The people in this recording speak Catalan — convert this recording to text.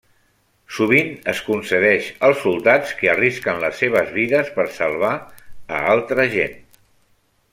Sovint es concedeix als soldats que arrisquen les seves vides per salvar a altra gent.